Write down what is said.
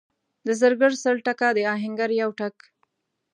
د زرګر سل ټکه، د اهنګر یو ټک.